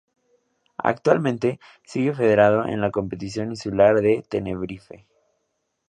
Actualmente sigue federado en la competición insular de Tenerife.